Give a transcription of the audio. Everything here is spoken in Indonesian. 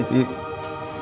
punya aku itu rusak pak